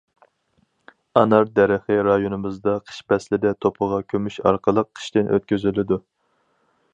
ئانار دەرىخى رايونىمىزدا قىش پەسلىدە توپىغا كۈمۈش ئارقىلىق قىشتىن ئۆتكۈزۈلىدۇ.